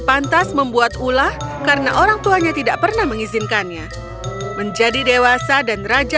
pantas membuat ulah karena orang tuanya tidak pernah mengizinkannya menjadi dewasa dan raja